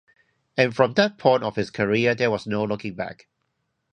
And from that point of his career there was no looking back.